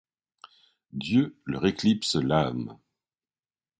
Dieu leur éclipse l’âme.